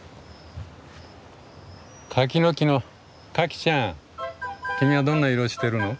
柿の木のカキちゃん君はどんな色をしてるの？